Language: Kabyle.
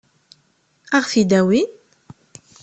Ad ɣ-t-id-awin?